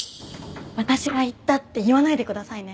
私が言ったって言わないでくださいね。